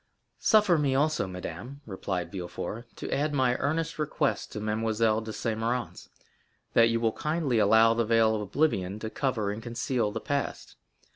"Suffer me, also, madame," replied Villefort, "to add my earnest request to Mademoiselle de Saint Méran's, that you will kindly allow the veil of oblivion to cover and conceal the past.